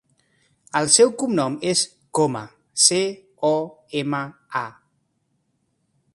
El seu cognom és Coma: ce, o, ema, a.